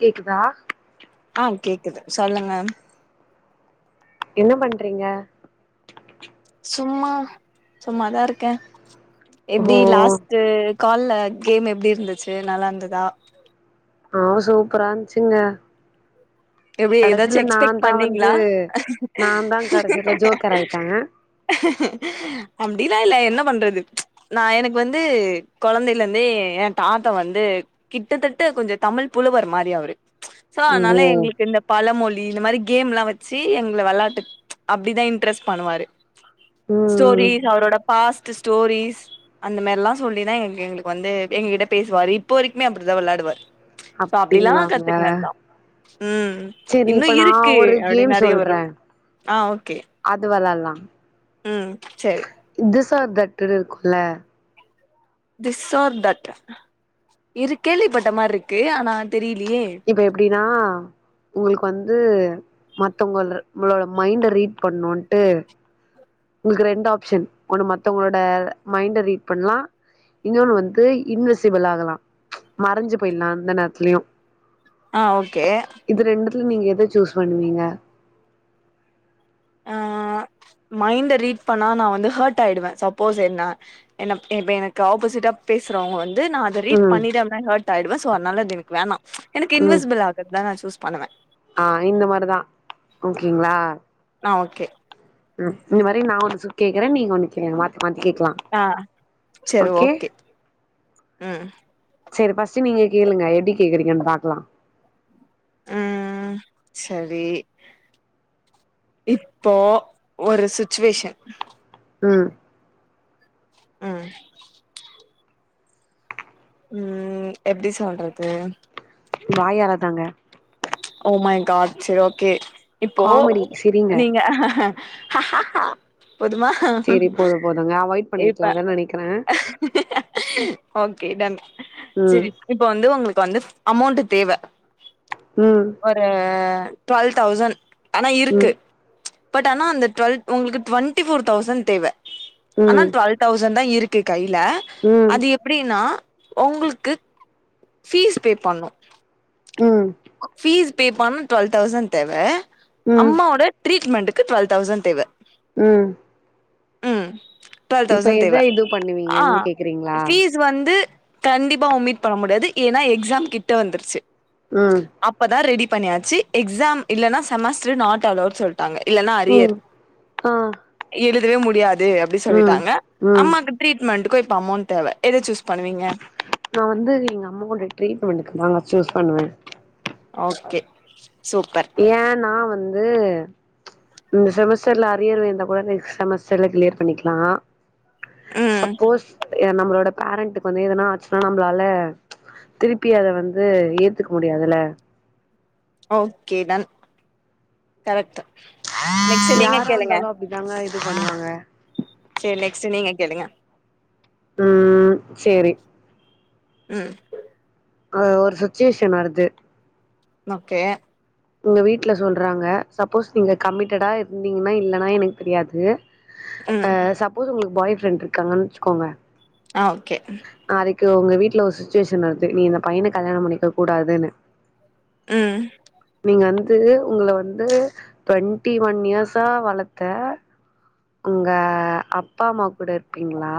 கேக்குதா ஆ கேக்குது சொல்லுங்க என்ன பண்றீங்க சும்மா சும்மாதா இருக்கே ஓ எப்டி லாஸ்ட்டு கால்ல கேம் எப்டி இருந்துச்சு நல்லாந்துதா ஆ சூப்பராஞ்ச்சிங்க எப்டி எதாச்சு எக்ஸ்பெக்ட் வந்து பண்ணிங்ளா நா தா கடைசில ஜோக்கர் ஆயிட்டே அப்டில்லா இல்ல எ ன்ன பண்றது நா எனக்கு வந்து கொழந்தைலந்தே எ தாத்தா வந்து கிட்டத்தட் ட கொஞ்சோ தமிழ் புலவர் மாரி அவுரு சோ ஓ அதனால எங்குளு பழமொழி இந்த மாரி கேம்ல்லா வெச்சி எங்ள வெளாட்டுக் அப்டிதா இன்ட்ரெஸ் பண்ணுவாரு ம் ஸ்டோரி அவுரோட பாஸ்ட்டுஸ் டோரீஸ் அந்த மாரில்லா சொல்லிதா எங்க எங்குளுக்கு வந்து எங்ககிட்ட பேசுவாரு இப்போ வரைக்மே அப்டிதா வெளையாடுவார் சோ அப்டில்லா அப்டிங்களாங்க கத்துக்னத்தா ம் செரி இன்னு இப்ப நா இருக்கு ஒரு அப்டி கேம் நெறைய வரு சொல்றே ஆ ஓகே அது வெளால்லா ம் செரி திஸ் ஆர் தட்டுனு இருக்குல்ல திஸ் ஆர் தட் இது கேள்விப்பட்ட மார்ருக்கு ஆனா தெரி லியே நா உங்குள்க்கு வந்து மத்தவங்கள்ர ம்பளோட மைண்ட ரீட் பண்ணுன்ட்டு உங்ளுக்கு ரெண்டு ஆப்ஷன் ஒண்ணு மத்தவங்களோட மைண்ட ரீட் பண்லா இன்னியொன்னு வந்து இன்விசிபிள் ஆகலா‌ மறஞ்சு போய்ல்லா ந்த நேரத்லியு ஆ ஓகே துல நீங்க எத சூஸ் பண்ணுவீங்க ஆ ஆ ஆ மைண்ட ரீட் பண்ணா நா வந்து ஹெட் ஆயிடுவே சப்போஸ் என்ன எனப் இப்ப எனக்கு ஆப்போசிட்டா பேசறவங் வந் து நா அத ரீட் ம் பண்ணிட்டே அப்னா ஹேட் ஆயிடுவே சோ அனால அது எனக்கு அது வேண்ணா எனக்கு ம் இன்விசிபிள் ஆகர்தா நா சூஸ் பண்ணுவே ஆ இந்த மார்தா ஓகேங்ளா ஆ ஓகே ம் இந்த மாரி நா ஒன்னு சு கேக்குறே நீங்க ஒன்னு கேளுங்க மாத்தி மாத்தி கேக்லா ஆ ஓகே ம் செரி ஃபஸ்ட்டு நீங்க கேளுங்க எப்டி கேக்குறீங்கன் பாக்லா அ அ சரி இப்போ ஒரு சுச்சுவேஷ ம் அ ம் எப்டி சொல்றது வாயார தாங்க ஓ மை காட் செரி ஓகே இப்போ காமெடி சிரிங்க நீங்க போதுமா சரி போது போதுங்க அவாய்ட் இப்ப பண்ணிர்க்லான்தா நெனைக்றே ஓகே டன் ம் செரி இப்ப வந்து உங்குளு க்கு வந்து அமௌண்டு தேவ ம் ஒரு டுவெல் தௌசண் ஆனா இருக்கு ம் பட் ஆனா அந்த டுவெல் உங்ளுக்கு டுவெண்டி ஃபோர் தௌசண் தேவ ஆனா ம் டுவெல் தௌசண் தா இருக்கு கை ல ம் அது எப்பிடின்னா ஒங்குள்க்கு ஃபீஸ் பே பண்ணு ம் ஃபீஸ் பே பண்ண டுவெல் தௌசண்ட் தேவ ம் அம்மாவோட ட்ரீட்மெண்ட்டு க்கு டுவெல்வ் தௌசண்ட் தேவ ம் ம் டுவெல் இப்ப தௌசண்ட் தேவ எத இது ஆ பண்ணுவீங்கன்னு கேக்குறீங்களா ஃபீஸ் வந்து கண்டிப்பா ஒமீட் பண்ண முடியாது ஏனா எக்ஸாம் கிட்ட வந்துருச்சு ம் அப்பதா ரெடிப் பண்ணியாச்சு எக்ஸாம் இல்லனா செமஸ்ட்ரு நாட் அலோட் சொல்ட் டாங்க இல்லனா ம் அரியர் ஆ எழுதவே முடியாது இது அப்டி ம் சொல்லிட்டாங்க ம் அம்மாக்கு ட்ரீட்மெண்ட்டுக்கு இப்ப அமௌன்ட் தேவ எதச் சூஸ் பண்ணுவீங்க நா வந்து எங்க அம்மாவோட ட்ரீட்மெண்ட்டுக்கு தாங்க சூஸ் பண்ணுவே ஓகே சூப்பர் ஏனா வந்து இந்த செமஸ்டர்ல அரியர் இருந்தா கூட நெக்ஸ்ட் செமஸ்டர்ல கிளியர் பண்ணிக்லா ம் சப்போஸ் அ நம்மளோட பேரண்ட்டுக்கு வந்து எதனா ஆச்சுனா நம்பளால திருப்பி அத வந்து ஏத்துக்க முடியாதுல ஓகே டன் கரெக்ட்டு யாரா இருந்தாலு அப்டித்தாங்க இது பண்ணுவாங்க செரி நெக்ஸ்ட்டு நீங்க கேளுங்க ம் சேரி ம் அ ஒரு சுச்சுவேஷன் வருது ஓகே உங்க வீட்ல சொல்றாங்க சப்போஸ் நீங்க கம்மிட்டடா இருந்தீங்கனா இல்லனா எனக்கு தெரியாது ம் அ சப்போஸ் உங்களுக்கு பாய் ஃப்ரெண்ட் இருக்காங்கன் வச்சுக்கோங்க ஆ ஓகே க உங்க வீட்ல ஒரு சுச்சுவேஷன் வருது நீ இந்த பையன கல்யாண பண்ணிக்க கூடாதுன்னு ம் நீங்க வந்து உங்கள வந்து டுவெண்ட்டி ஒன் இயர்ஸா வளத்த உங்க அப்பாம்மா கூட இருப்பீங்ளா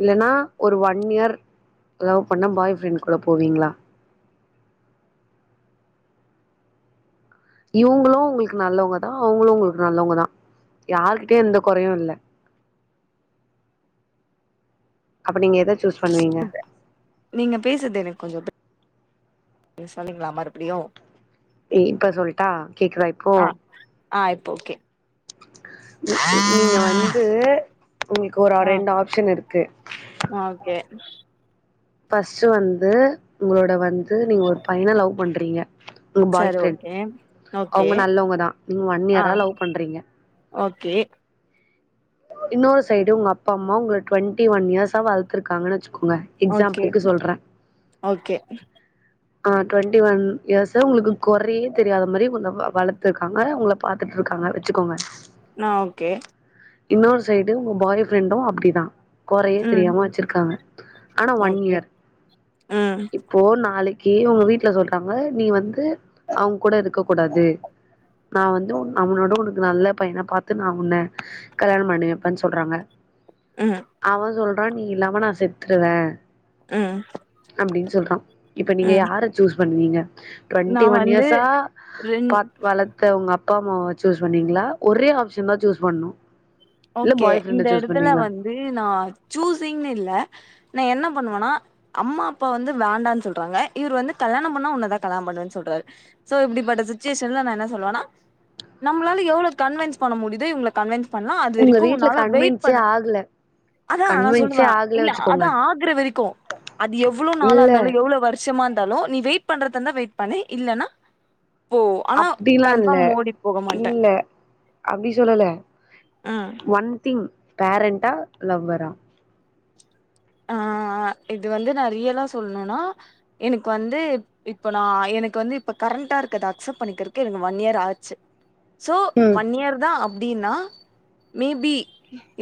இல்லனா ஒரு ஒன் இயர் லவ் பண்ண பாய் ஃப்ரெண்ட் கூட போவீங்ளா இவுங்களு உங்களுக்கு நல்லவ்ங்க தா அவுங்களு உங்களுக்கு நல்லவ்ங்க தா யாருகிட்ட எந்த கொறையு இல்ல அப்ப நீங்க எத சூஸ் பண்ணுவீங்க நீங்க பேசுறது எனக்கு கொஞ்ச இது இது சொன்னிங்லா மறுபடியு ம் இப்ப சொல்ட்டா கேக்குதா இப்போ ஆ ஆ இப்ப ஓகே நீங்க வந்து உங்களுக்கு ஒரு ஆ ரெண்டு ஆப்ஷன் இருக்கு ஓகே ஃபஸ்ட்டு வந்து உங்களோட வந்து நீங்க ஒரு பையன லவ் பண்றீங்க செரி ஓகே ஓகே அவுங்க நல்லவ்ங்கதா நீங்க ஒன் ஆ இயரா லவ் பண்றீங்க ஓகே இன்னொரு சைடு உங்க அப்பாம்மா உங்கள டுவென்டி ஒன் இயர்ஸா வள்த்திருக்காங்கன்னு வச்சு க்கோங்க ஓகே எக்ஸாம்பில்க்கு சொல்றே ஓகே ஆ டுவென்டி ஒன் இயர்ஸா உங்களுக்கு கொறையே தெரியாதமாரி உங்கள வ வளத்திருக்காங்க உங்கள பாத்துட்ருக் க்காங்க வச்சுக்கோங்க நா ஓகே இன்னொரு சைடு உங்க பாய் ஃப்ரெண்டு அப்டிதா கொறையே ம் தெரியாம வச்சிருக்காங்க ஆனா ஒன் ஓகே இயர் ம் இப்போ நாளைக் கி உங்க வீட்ல சொல்றாங்க நீ வந்து அவுங்கூட இருக்க கூடாது நா வந்து உன் அவனோட உனக்கு நல்ல பையனா பாத்து நா உன்ன கல்யாணம் பண்ணிவப்பனு சொல்றாங்க ம் அவ சொல்றா நீ இல்லாம நா செத்துருவ ம் அப்டின் சொல்றா இப்ப நீங்க ம் யார சூஸ் பண்ணுவீங்க நா டுவென்டி ஒன் வந்து இயர்ஸா ரெண் பாத் வளத்தவங்க அப் அப்பா அம்மாவ வச்சி சொண்ணீங்களா ஒரே ஆப்ஷன் தா சூஸ் பண்ணு இல்ல ஓகே பாய் ஃப்ரெண்ட இந்த சூஸ் எடத்துல பண்ணுவீங்களா வந்து நா சூசிங்ன்னு இல்ல நா என்னப் பண்ணுவனா அம்மா அப்பா வந்து வேண்டான் சொல்றாங்க இவரு வந்து கல்யாணம் பண்ணா உன்னதா கல்யாணம் பண்ணுவ சொல்றாரு சோ இப்டிபட்ட சிச்சுவேஷன்ல நா என்ன சொல்லுவனா நம்மளால எவ்ளோ கன்வின்ஸ் பண்ண முடியுதோ இவங்கள கன்வின்ஸ் பண்லா அது உங்க வரைக்கு வீட்ல உன்னால வெயிட் கன்வின்ஸே பண்ண ஆகல அதா நா சொல்லுவ கன்வின்ஸே ஆகல இல்ல வச்சுக்கோங்க அதா ஆகுர வரிக்கு அது எவ்ளோ நாளா இல்ல இருந்தாலு எவ்ளோ வருஷமா இருந் ருந்தாலு நீ வெயிட் பண்றதாதுந்தா வெயிட் பண்னு இல்லன்னா போ ஆனா அப்டிலா இல்ல கன்ஃபார்ம் ஓடி போக மாட்டே இல்ல அப்டி சொல்லல ம் ஒன் திங் பேரண்டா லவ்வரா ஆ ஆ இது வந்து நா ரியலா சொல்ணுன்னா எனக்கு வந்து இப்ப நா எனக்கு வந்து இப்ப கா கரண்ட்டா இருக்கத அக்செப்ட் பண்ணிக்கிறக்கே எனக்கு ஒன் இயர் ஆச்சு சோ ம் ஒன் இயர் தா அப்டின்னா மேபி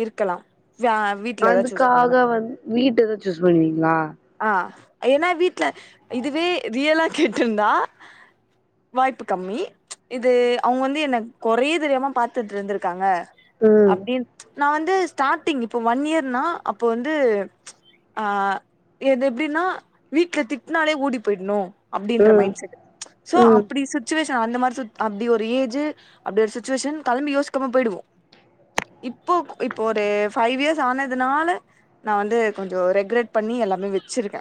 இருக்கலா வே வீட்லதா சூஸ் பண்ணுவே அதுக்காக வந் வீட்டதா சூஸ் பண்ணுவீங்களா ஆ ஏன்னா வீட்ல இதுவே ரியலா கேட்ருந்தா வாய்ப்பு கம்மி இது அவுங்க வந்து என்ன கொறயே தெரியாம பாத்துட்டுருந்திருக்காங்க ம் அப்டி நா வந்து ஸ்டார்ட்டிங் இப்போ ஒன் இயர்னா அப்போ வந்து ஆ எது எப்டின்னா வீட்ல திட்னாலே ஓடி போய்ட்ணு அப்டின்ற ம் மைண்ட் செட் சோ ம் அப்டி சுச்சுவேஷ அந்தமாரி சு அப்டி ஒரு ஏஜி அப்டி ஒரு சுச்சுவேஷன் களம்பி யோசிக்காம போய்டுவோ இப்போ இப்போ ஒரு ஃபைவ் இயர்ஸ் ஆனதுனால நா வந்து கொஞ்சோ ரெக்ரேட் பண்ணி எல்லாமே வச்சிருக்க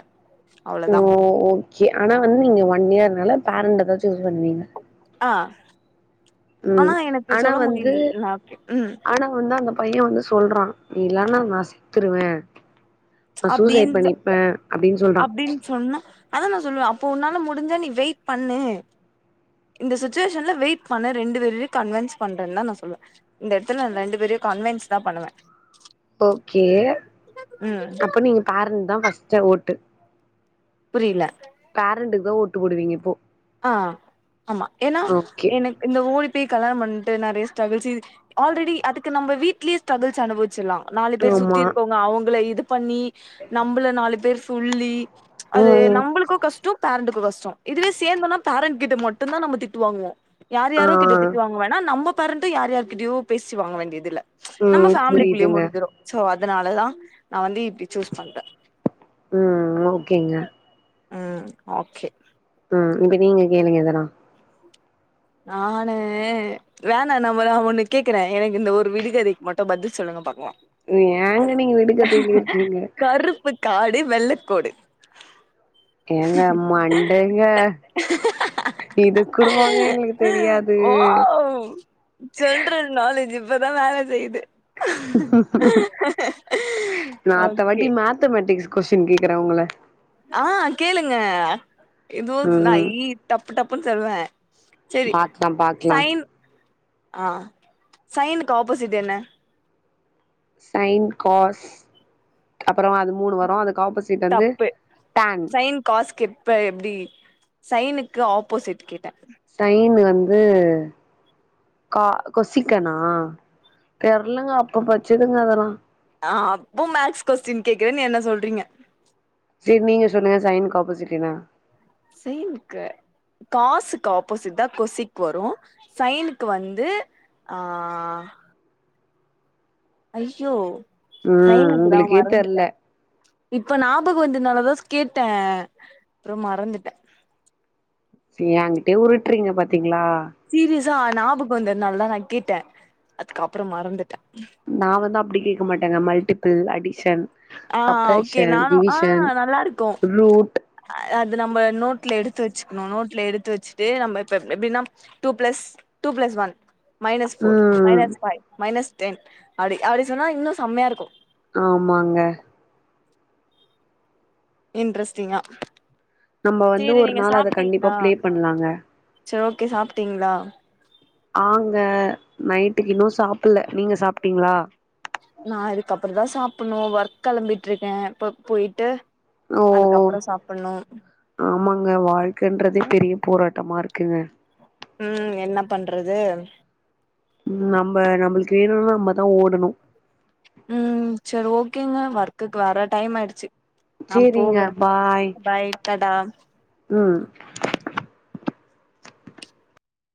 சோ ஓக்கே ஆனா வந்து நீங்க ஒன் இயர்னால பேரண்ட்டதா சூஸ் பண்ணுவீங்க ஆ ம் ஆனா எனக்கு ஆனா சொல்ல வந்து முடியல ஓகே ம் ஆனா வந்து அந்த பைய வந்து சொல்றா இல்லானா நா செத்துருவ அப்டின்ட்டு சொல்றா அப்டின்னு சொன்ன அதா நா சொல்லுவே ப்போ உன்னால முடிஞ்சா நீ வெயிட் பண்ணு இந்த சுச்சுவேஷன்ல வெயிட் பண்ண ரெண்டு பேரையு கன்வின்ஸ் பண்றே தா நா சொல்லுவே இந்த இடத்துல ரெண்டு பேரையு கான்வென்ஸ் தா பண்ணுவ ஓகே ம் அப்ப நீங்க பேரண்ட் தா ஃபஸ்ட ஓட்டு புரியல பேரண்ட்டுக்கு ஓட்டு போடுவீங்க இப்போ ஆ ஆமா ஏன்னா ஓகே எனக்கு இந்த ஓடி ய் கல்யாண பண்ட்டு நெறய ஸ்டிரகல்ஸ் ஆல்ரெடி அதுக்கு நம்ப வீட்லயே ஸ்டரகுல்ஸ் அனுபவிச்சிலா நாலு பேர் சுத்தி ஆமா இருக்கவங்க அவங்கள இது பண்ணி நம்பள நாலு பேர் சொல்லி அது ம் நம்பளுக்கு கஷ்ட பேரண்ட்டுக்கு கஷ்ட இதுவே சேர்ந்தனா பாரன் கிட்ட மட்டுந்தா நம்ப திட்டுவாங்குவோ யார் ஆ யாரோ கிட்ட திட்டுவாங்கவேணா நம்ப பறண்ணுட்டு யார் யாருகிட்டயோ பேசி வாங்க வேண்டியதுல நம்ம ம் ஃபேமிலிக்குள்ளயே புரியுதுங்க முடிஞ்சிரும் சோ அத அதனாலதா நா வந்து இப்படி சூஸ் பண்ற ம் ஓகேங்க ம் ஓகே ம் இப்ப நீங்க கேளுங்க எதனா நானு வேணா நம்ம நான் ஒண்ணு கேக்குறே எனக்கு இந்த ஒரு விடுகதைக்கு மட்டு பதில் சொல்லுங்க பாக்கலா ஏங்க நீங்க விடுகதையில இருக்கீங்க. டி வெள்ளக்கோடு ஏங்க மண்டைங்க இது குடுவாங்க எங்களுக் ஹ் ஓ ஜென்ரல் நாலேஜ் இப்பதா வேல செய்யுது. ஓகே கொஷின் கேக்குற உங்கள ஆ கேளுங்க எதோ ம் நாயி டப்பு டப்புன்னு சொல்லுவ சரி பாக்லா பாக்லா சைன் ஆ சைன்க்கு ஆபோசிட் என்ன? சைன் காஸ் அப்பறொ அது மூணு வரு அதுக் தப்பு சைன் காஸ் கிப்ப எப்டி சைனுக்கு ஆப்போசிட் கேட் சைன் வந்து கா கொசிக்கனா தெர்லங்க அப்ப படுச்சதுங்க அதெல்லா ஆ அப்போ மேக்ஸ் கொஸ்டின் கேக்குறேன் என்ன சொல்றீங்க சரி நீங்க சொல்லுங்க சைனுக்கு ஆப்போசிட் என்ன? செய்ன் ருக்கு காசுக்கு ஆப்போசிட்தா கொசிக்கு வரும் சைனுக்கு வந்து ஆ அ அ ஐய்யோ ம் சைனுக்குதா உங்களுக்கே தெர்ல மறந்துட்ட இப்ப நாபகொ வந்துனாலதா கேட்டே அப்புறம் மறந்துட்ட சி எங்கிட்டே உருட்டுறீங்க பாத்தீங்களா சீரியஸா நாபகொ வந்ததுனாலதா நா கேட்ட அதுக்கப்பறொ மறந்துட்ட நா வந்து அப்டி கேக்க மாட்டேங்க மல்டிபிள் அடிஷன் ஆ ஓகே சப்ராக்ஷன் நானு ஆ டிவிஷன் நல்லா இருக்கோ ரூட் அது நம்ம நோட்ல எடுத் த்து வச்சக்கணு நோட்ல எடுத்து வச்சுட்டு நம்ம ப்ப எப் எப்டின்னா two plus two plus one minus four ம் மைனஸ் ஃபைவ் மைனஸ் டென் அப்டி அப்டி சொன்னா இன்னு செம்மையா இருக்கு ஆமாங்க இன்ட்ரெஸ்ட்டிங்கா நம்ம வந்து ஒரு நாள் அத கண்டிப்பா பிளே பண்ணலாங்க. சர் ஓகே சாப்பிட்டீங்ளா? ஆங்க நைட்டுக்கு இன்னு சாப்புல நீங்க சாப்பிட்டீங்ளா? நா அதுக்கப்பறொதா சாப்டணு ஒர்க் கெளம்பிட்டுருக்க இப்ப போயிட்டு ஓ ஓ அதுக்கப்புற சாப்புட்ணு ஆமாங்க வாழ்க்கன்றதே பெரிய போரா ட்டமா இருக்குங்க ம் என்ன பண்றது ம் நம்ம நம்மளுக்கு வேணுனா நம்மதா ஓடணு கேங்க வொர்க்குக்கு வேற டைம் ஆயிடுச்சு நா சேரிங்க போகுற பாய் பாய் டாடா ம்